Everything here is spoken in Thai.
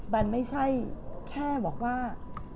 มันไม่ใช่แค่บอกว่า